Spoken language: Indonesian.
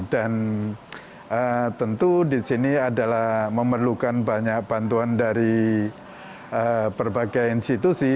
dan tentu disini adalah memerlukan banyak bantuan dari berbagai institusi